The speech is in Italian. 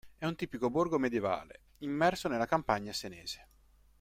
È un tipico borgo medioevale immerso nella campagna senese.